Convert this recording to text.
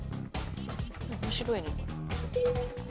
面白いね。